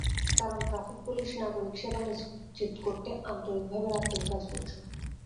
কারণ, traffic police নাগরিক সেবা নিশ্চিত করতে আন্তরিকভাবে রাত-দিন কাজ করছে।